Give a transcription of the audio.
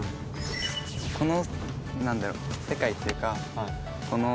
この何だろう世界っていうか。